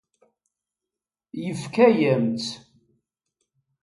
Yefka-yam-tt.